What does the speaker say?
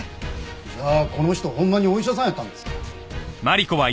じゃあこの人ほんまにお医者さんやったんですか。